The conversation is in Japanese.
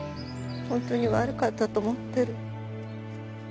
本当に悪かったと思ってる。